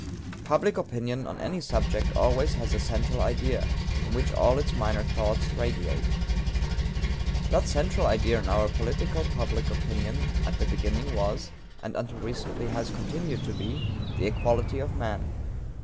Public opinion on any subject always has a 'central idea,' from which all its minor thoughts radiate. That 'central idea' in our political public opinion at the beginning was, and until recently has continued to be, 'the equality of men.'